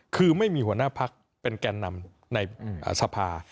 คือไม่มีหัวหน้าพักเป็นแก่นำในสภา